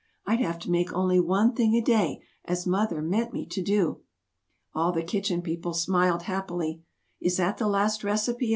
I'd have to make only one thing a day, as Mother meant me to do." All the Kitchen People smiled happily. "Is that the last recipe?"